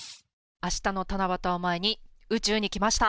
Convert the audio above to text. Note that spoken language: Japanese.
あしたの七夕を前に宇宙に来ました。